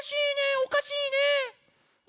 おかしいね。